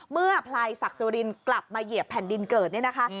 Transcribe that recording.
พลายศักดิ์สุรินกลับมาเหยียบแผ่นดินเกิดเนี่ยนะคะ